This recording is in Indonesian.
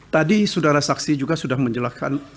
tadi saudara saksi juga sudah menjelaskan